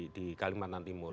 di kalimantan timur